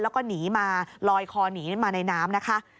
แล้วก็หนีมาลอยคอหนีมาในน้ำนะคะ